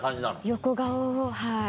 横顔はい。